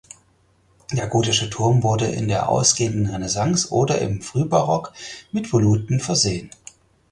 Der gotische Turm wurde in der ausgehenden Renaissance oder im Frühbarock mit Voluten versehen.